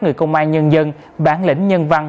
người công an nhân dân bản lĩnh nhân văn